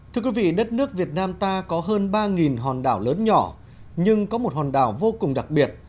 thưa quý vị đất nước việt nam ta có hơn ba hòn đảo lớn nhỏ nhưng có một hòn đảo vô cùng đặc biệt